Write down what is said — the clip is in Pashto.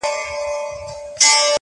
هم په چرت كي د بيزو او هم د ځان وو-